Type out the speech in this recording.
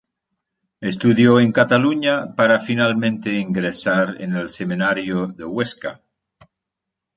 Estudió en Cataluña para finalmente ingresar en el seminario de Huesca.